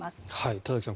田崎さん